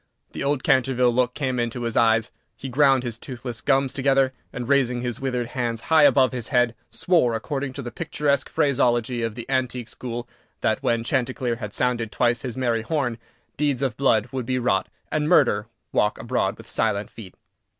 The old Canterville look came into his eyes; he ground his toothless gums together; and, raising his withered hands high above his head, swore according to the picturesque phraseology of the antique school, that, when Chanticleer had sounded twice his merry horn, deeds of blood would be wrought, and murder walk abroad with silent feet.